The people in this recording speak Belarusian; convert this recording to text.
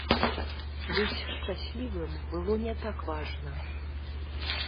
Быць шчаслівым было не так важна.